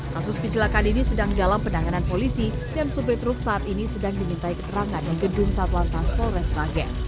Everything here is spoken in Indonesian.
kasus kecelakaan ini sedang dalam penanganan polisi dan supir truk saat ini sedang dimintai keterangan di gedung satuan task force seragen